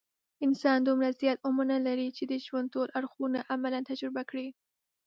انسان دومره زیات عمر نه لري، چې د ژوند ټول اړخونه عملاً تجربه کړي.